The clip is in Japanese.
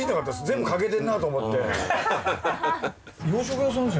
全部欠けてんなと思って。